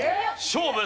勝負。